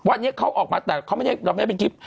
วันนี้เขาออกมาแต่เราไม่ได้เป็นคลิป